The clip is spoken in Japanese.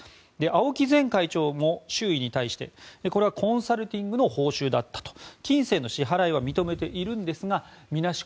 青木前会長も周囲に対してこれはコンサルティングの報酬だったと金銭の支払いは認めていますがみなし